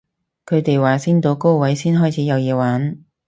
佢哋話升到高位先開始有嘢玩